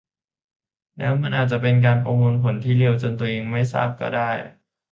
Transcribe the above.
แล้วมันอาจเป็นการประมวลผลที่เร็วจนตัวเองไม่ทราบก็ได้